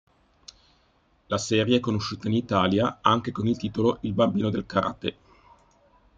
La serie è conosciuta in Italia anche con il titolo Il bambino del karate.